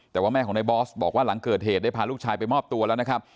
แต่ว่าแม่ของในบอสบอกว่าหลังเกิดเหตุได้พาลูกชายไปมอบตัวแล้วนะครับ